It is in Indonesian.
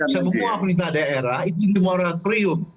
semua perintah daerah itu di moratorium